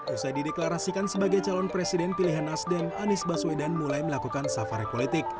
usai dideklarasikan sebagai calon presiden pilihan nasdem anies baswedan mulai melakukan safari politik